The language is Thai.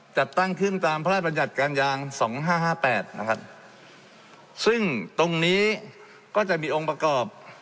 จัดตั้งขึ้นตามพระราชบัญญัติการยางสองห้าห้าแปดนะครับซึ่งตรงนี้ก็จะมีองค์ประกอบ